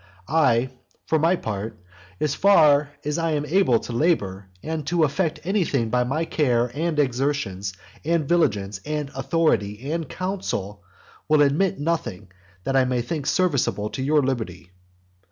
I, for my part, as far as I am able to labour, and to effect anything by my care, and exertions, and vigilance, and authority, and counsel, will omit nothing which I may think serviceable to your liberty.